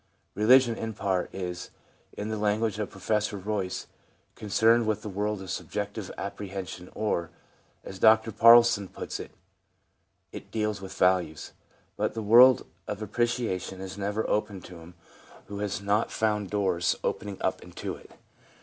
Re ligion, in part, is, in the language of Professor Royce, concerned with the world of subjective ' appreciation/ or, as Dr Paulsen puts it, it deals with values. But the world of appreciation is never opened to him who has not found doors opening up into it.